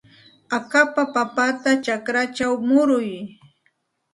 Akapa papata chakrachaw muruy.